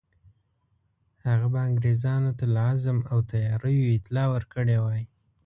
هغه به انګرېزانو ته له عزم او تیاریو اطلاع ورکړې وای.